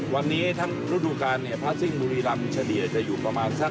วันนี้ทั้งฤดูการพลาดสิ่งบุรีรัมย์ชะเดียจะอยู่ประมาณสัก๔๐๐